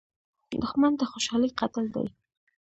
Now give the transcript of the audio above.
دښمن د خوشحالۍ قاتل دی